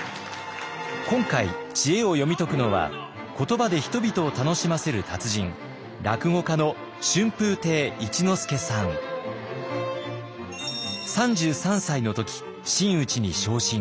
今回知恵を読み解くのは言葉で人々を楽しませる達人３３歳の時真打ちに昇進。